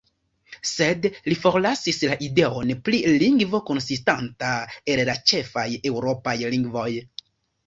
Sed li forlasis la ideon pri lingvo konsistanta el la ĉefaj eŭropaj lingvoj.